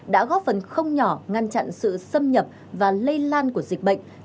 đã góp phần không nhỏ ngăn chặn sự xâm nhập và lây lan của dịch bệnh